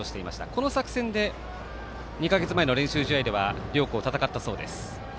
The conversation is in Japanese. この作戦で２か月前の練習試合では両校、戦ったそうです。